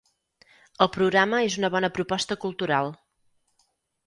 El programa és una bona proposta cultural.